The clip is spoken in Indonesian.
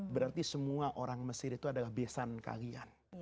berarti semua orang mesir itu adalah besan kalian